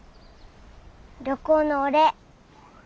旅行のお礼。